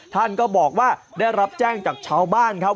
ท่านก็บอกว่าได้รับแจ้งจากชาวบ้านครับ